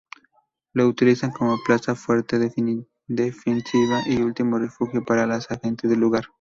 Lo utilizan como plaza fuerte defensiva y último refugio para las gentes del lugar.